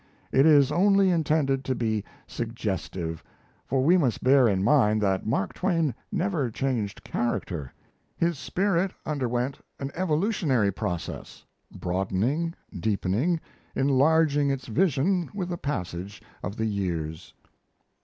It is only intended to be suggestive; for we must bear in mind that Mark Twain never changed character. His spirit underwent an evolutionary process broadening, deepening, enlarging its vision with the passage of the years.